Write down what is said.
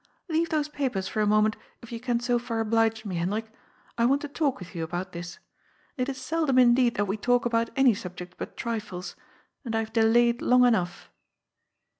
"Leave those papers for a moment, if you can so far oblige me, Hendrik. I want to talk with you about this. It is seldom indeed that we talk about any subjects but trifles. And I have delayed long enough."